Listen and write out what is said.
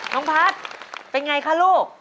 น้องพัทเป็นอย่างไรคะลูก